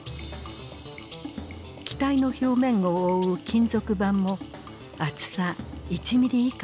機体の表面を覆う金属板も厚さ１ミリ以下まで薄くした。